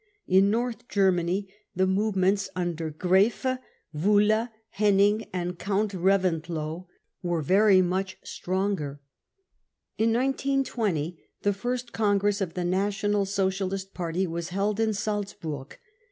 In North Ger many the movements under Graefe, Wulle, Henning and Count Reventlow were very much stronger. In j'g 20 the first congress of the National Socialist Party was held in Salzburg.